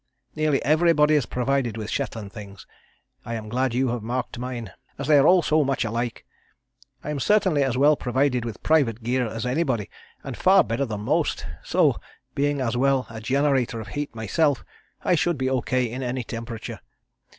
Nearly everybody is provided with Shetland things. I am glad you have marked mine, as they are all so much alike. I am certainly as well provided with private gear as anybody, and far better than most, so, being as well a generator of heat in myself, I should be O.K. in any temperature.